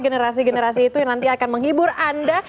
dan generasi itu nanti akan menghibur anda